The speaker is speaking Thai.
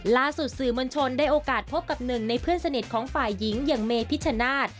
ล่าสุดสื่อมวลชนได้โอกาสพบกับหนึ่งในเพื่อนสนิทของฝ่ายหญิงอย่างเมพิชชนาธิ์